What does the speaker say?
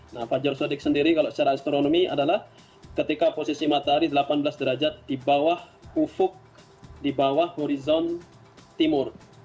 nah fajar sodik sendiri kalau secara astronomi adalah ketika posisi matahari delapan belas derajat di bawah ufuk di bawah horizon timur